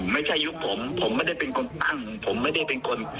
ยุคผมผมไม่ได้เป็นคนตั้งผมไม่ได้เป็นคน